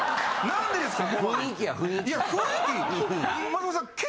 何でですか！